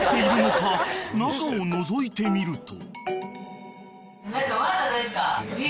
［中をのぞいてみると］